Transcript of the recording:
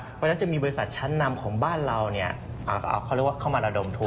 เพราะฉะนั้นจะมีบริษัทชั้นนำของบ้านเราเขาเรียกว่าเข้ามาระดมทุน